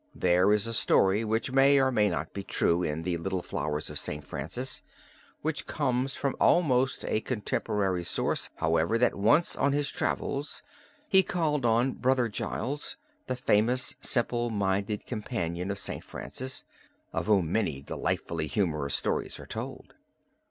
There is a story which may or may not be true in the "Little Flowers of St. Francis," which comes from almost a contemporary source, however, that once on his travels he called on Brother Giles, the famous simple minded companion of St. Francis, of whom so many delightfully humorous stories are told.